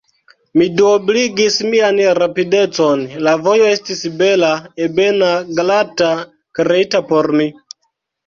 Mi duobligis mian rapidecon: la vojo estis bela, ebena, glata, kreita por mi.